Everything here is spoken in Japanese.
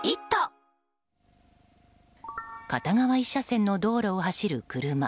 片側１車線の道路を走る車。